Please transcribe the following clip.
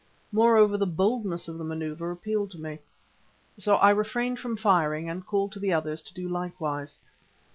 Moreover, the boldness of the manoeuvre appealed to me. So I refrained from firing and called to the others to do likewise.